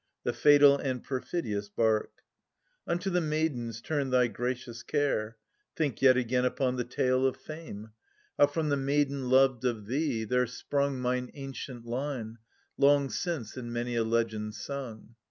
The fatal and perfidious bark ! ^N ^\ Unto the maidens turn thy gracious care ; A^vy^^"^^^^ { Think yet again upon the tale of fame, THE SUPPLIANT MAIDENS. 29 How from the maiden loved of thee there sprung Mine ancient Hne, long since in many a legend sung